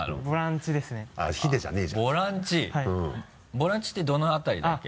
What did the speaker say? ボランチってどの辺りだっけ？